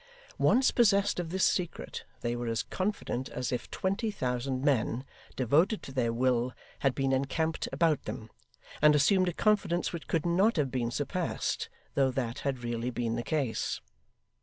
Once possessed of this secret, they were as confident as if twenty thousand men, devoted to their will, had been encamped about them, and assumed a confidence which could not have been surpassed, though that had really been the case.